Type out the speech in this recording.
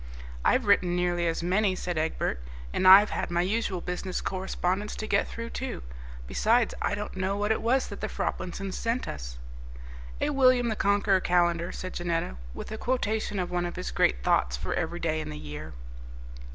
"I've written nearly as many," said Egbert, "and I've had my usual business correspondence to get through, too. Besides, I don't know what it was that the Froplinsons sent us." "A William the Conqueror calendar," said Janetta, "with a quotation of one of his great thoughts for every day in the year."